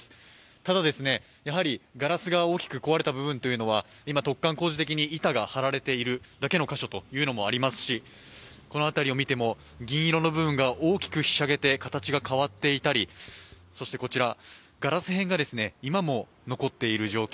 ただ、やはりガラスが大きく壊れた部分というのは今、突貫工事的に板が張られているだけの箇所もありますし、この辺りを見ても銀色の部分が大きくひしゃげて形が変わっていたりそして、ガラス片が今も残っている状況。